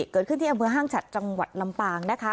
เกิดขึ้นที่อำเภอห้างฉัดจังหวัดลำปางนะคะ